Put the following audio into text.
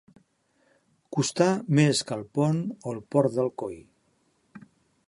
Costar més que el pont o el port d'Alcoi.